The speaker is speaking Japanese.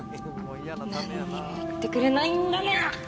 何にも言ってくれないんだね！